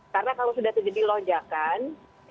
karena kalau sudah terjadi lonjakan